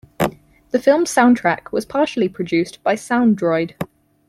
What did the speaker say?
The film's soundtrack was partially produced by SoundDroid.